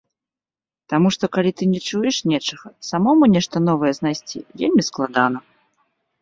Таму што, калі ты не чуеш нечага, самому нешта новае знайсці вельмі складана.